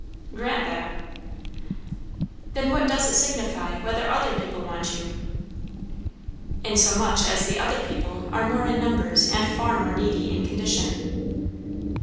"Grant that." "Then what does it signify, whether other people want you?" "Insomuch as the 'other people' are more in numbers and far more needy in condition."